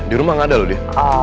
di rumah gak ada loh dia